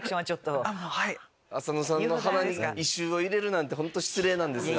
浅野さんの鼻に異臭を入れるなんてホント失礼なんですが。